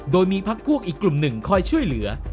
โดยมีพักพวกอีกกลุ่มหนึ่งคอยช่วยเหลือ